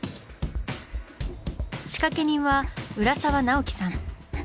仕掛け人は浦沢直樹さん。